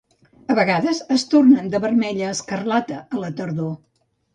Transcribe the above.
A vegades es tornen de vermell a escarlata a la tardor.